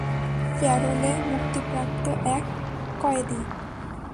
প্যারোলে মুক্তিপ্রাপ্ত এক কয়েদি।